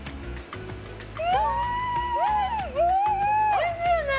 おいしいよね！